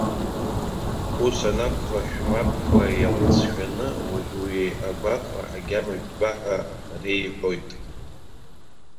Ус анакәха, шәмапкра иалҵшәаны уажәы уи агәаҟра агьама жәба!- ҳәа реиҳәоит.